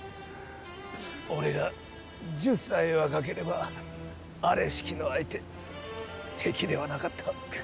俺が１０歳若ければあれしきの相手敵ではなかった。